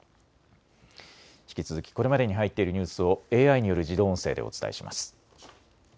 引き続き、これまでに入っているニュースをＡＩによる自動音声でお伝えします。